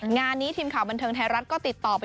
งานนี้ทีมข่าวบันเทิงไทยรัฐก็ติดต่อไป